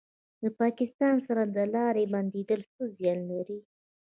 د پاکستان سره د لارې بندیدل څه زیان لري؟